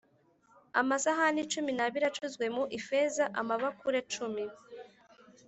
amasahani cumi n abiri acuzwe mu ifeza amabakure cumi